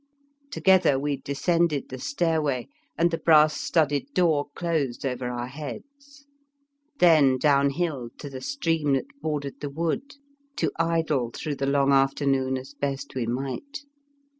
Together we descended the stairway, and the brass studded door closed over our heads; then downhill to the stream that bordered the wood, to idle through the long afternoon as best we might.